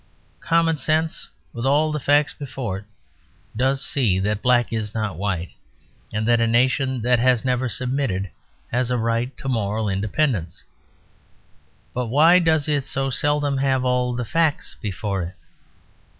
Common sense, with all the facts before it, does see that black is not white, and that a nation that has never submitted has a right to moral independence. But why does it so seldom have all the facts before it?